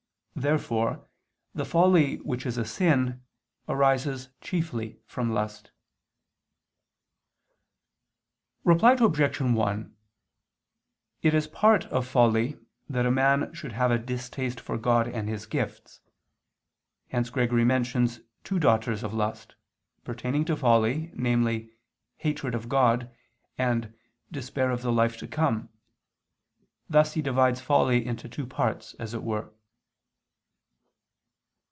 Therefore the folly which is a sin, arises chiefly from lust. Reply Obj. 1: It is part of folly that a man should have a distaste for God and His gifts. Hence Gregory mentions two daughters of lust, pertaining to folly, namely, "hatred of God" and "despair of the life to come"; thus he divides folly into two parts as it were.